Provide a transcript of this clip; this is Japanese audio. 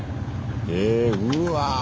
えうわ。